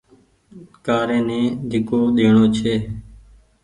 ڪآري ني ڍيڪو ڏيڻو ڇي۔